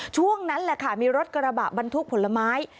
ช่วงนั้นแหละค่ะมีรถกระบะบรรทุกผลไม้